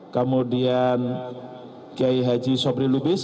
kemudian k h sobri lubis